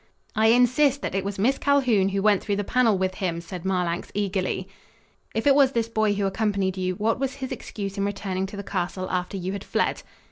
"I insist that it was Miss Calhoun who went through the panel with him," said Marlanx eagerly. "If it was this boy who accompanied you, what was his excuse in returning to the castle after you had fled?"